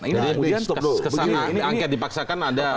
nah ini kemudian kesana